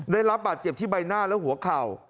ได้รับบาดเจ็บที่ใบหน้าและหัวเข่า